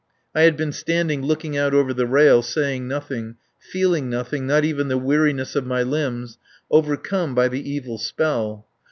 I had been standing looking out over the rail, saying nothing, feeling nothing, not even the weariness of my limbs, overcome by the evil spell.